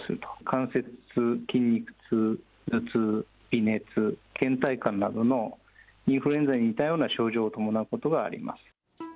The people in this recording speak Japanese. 関節痛、筋肉痛、頭痛、微熱、けん怠感などのインフルエンザに似たような症状を伴うことがあります。